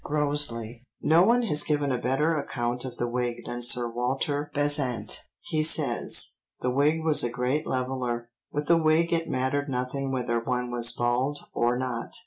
(Grosley.) No one has given a better account of the wig than Sir Walter Besant, he says: "The wig was a great leveller ... with the wig it mattered nothing whether one was bald or not.